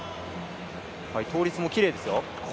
倒立もきれいですよ。